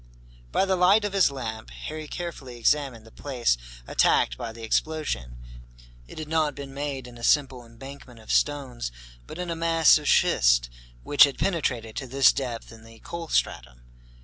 By the light of his lamp, Harry carefully examined the place attacked by the explosion. It had not been made in a simple embankment of stones, but in a mass of schist, which had penetrated to this depth in the coal stratum.